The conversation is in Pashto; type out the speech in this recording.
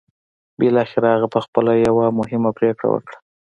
بالاخره هغه پخپله يوه مهمه پرېکړه وکړه.